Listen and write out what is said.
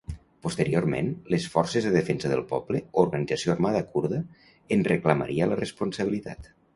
Posteriorment, les Forces de Defensa del Poble, organització armada kurda, en reclamaria la responsabilitat.